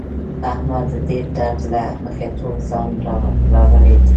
احمد د ډېر درد له مخې ټول ځان داغلی دی.